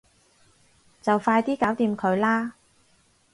就快啲搞掂佢啦